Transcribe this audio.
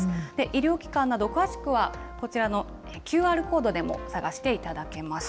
医療機関など、詳しくはこちらのＱＲコードでも探していただけます。